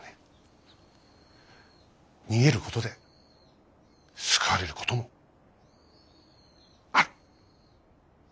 逃げることで救われることもある。